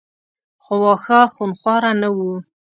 خو واښه خونخواره نه وو.